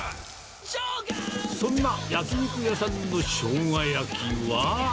そんな焼き肉屋さんのしょうが焼きは。